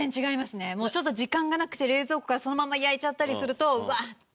ちょっと時間がなくて冷蔵庫からそのまま焼いちゃったりするとうわーって。